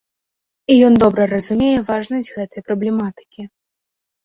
І ён добра разумее важнасць гэтай праблематыкі.